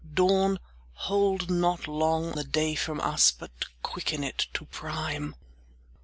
— Dawn, hold not long the day from us, But quicken it to prime!